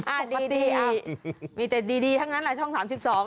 อ่ะดีมีแต่ดีทั้งนั้นแหละช่อง๓๒น่ะ